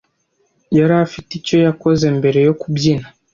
yari afite icyo yakoze mbere yo kubyina